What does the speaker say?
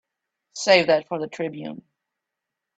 Save that for the Tribune.